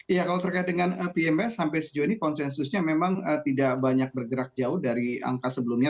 ya kalau terkait dengan pms sampai sejauh ini konsensusnya memang tidak banyak bergerak jauh dari angka sebelumnya